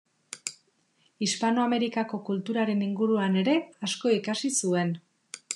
Hispanoamerikako kulturaren inguruan ere asko ikasi zuen.